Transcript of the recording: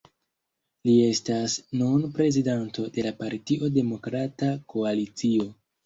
Li estas nun prezidanto de la partio Demokrata Koalicio.